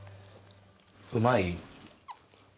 うまい？